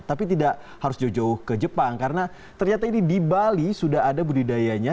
tapi tidak harus jauh jauh ke jepang karena ternyata ini di bali sudah ada budidayanya